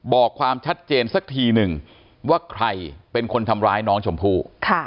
บอกความชัดเจนสักทีหนึ่งว่าใครเป็นคนทำร้ายน้องชมพู่